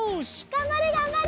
がんばれがんばれ！